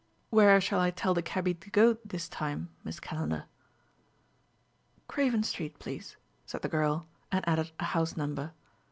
"Where shall I tell the cabby to go this time, Miss Calendar?" "Craven Street, please," said the girl, and added a house number.